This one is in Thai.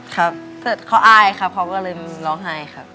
ครับเสร็จเขาอายครับเขาก็เลยร้องไห้ครับ